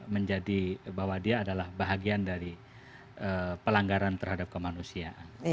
menjadi bahwa dia adalah bahagian dari pelanggaran terhadap kemanusiaan